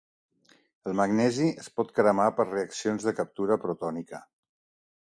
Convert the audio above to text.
El magnesi es pot cremar per reaccions de captura protònica.